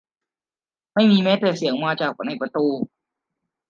ไม่มีแม้แต่เสียงมาจากในประตู